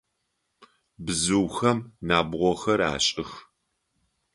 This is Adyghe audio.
Бзыухэм набгъохэр ашӏых.